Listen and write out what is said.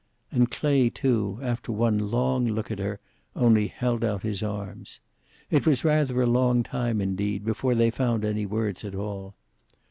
And Clay, too, after one long look at her, only held out his arms. It was rather a long time, indeed, before they found any words at all.